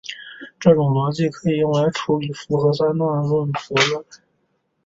这种逻辑可以用来处理复合三段论悖论。